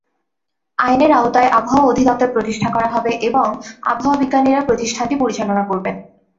আইনের আওতায় আবহাওয়া অধিদপ্তর প্রতিষ্ঠা করা হবে এবং আবহাওয়াবিজ্ঞানীরা প্রতিষ্ঠানটি পরিচালনা করবেন।